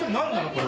これ！